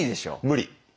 無理。